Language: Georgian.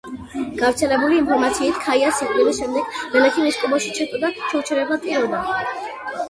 გავრცელებული ინფორმაციით, ქაიას სიკვდილის შემდეგ მელექი მის კუბოში ჩაწვა და შეუჩერებლად ტიროდა.